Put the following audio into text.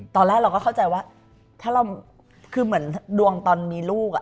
ตอนแรกเราก็เข้าใจว่าถ้าเราคือเหมือนดวงตอนมีลูก